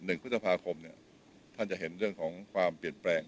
พฤษภาคมเนี่ยท่านจะเห็นเรื่องของความเปลี่ยนแปลง